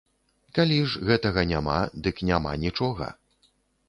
Калі ж гэтага няма, дык няма нічога.